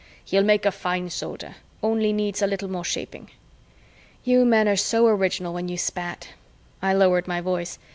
He'll make a fine Soldier only needs a little more shaping." "You men are so original when you spat." I lowered my voice.